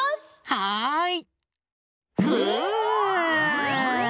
はい！